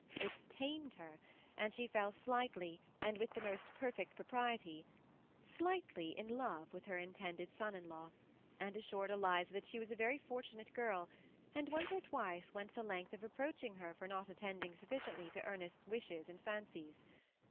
It tamed her, and she fell slightly — and with the most perfect propriety — slightly in love with her intended son in law, and assured Eliza that she was a very fortunate girl, and once or twice went the length of reproaching her for not attending sufficiently to Ernest's wishes and fan cies.